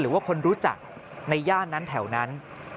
หรือว่าคนรู้จักในย่านนั้นแถวนั้น